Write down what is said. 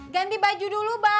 ganti baju dulu bang